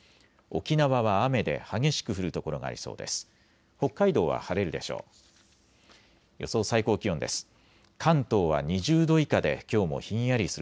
沖縄は雨で激しく降る所がありそうです。